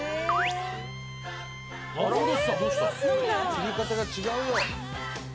切り方が違うよ